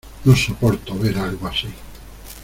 No soporto ver algo así